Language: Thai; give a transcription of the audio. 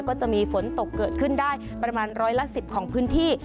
ก็จะมีฝนตกเกิดขึ้นได้ประมาณร้อยละ๑๐ของพื้นที่